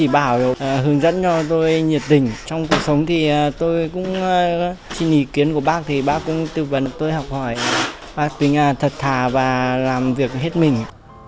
bác tính thật thà và làm việc hết mình